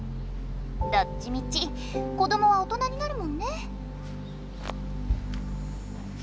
どっちみち子どもは大人になるもんね。